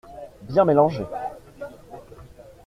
Bien mélanger.